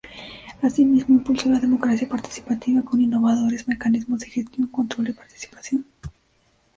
Asimismo, impulsó la democracia participativa con innovadores mecanismos de gestión, control y participación.